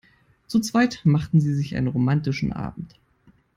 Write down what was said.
Zu zweit machten sie sich einen romantischen Abend.